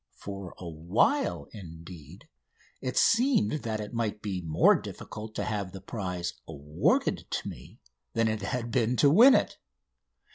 For a while, indeed, it seemed that it might be more difficult to have the prize awarded to me than it had been to win it.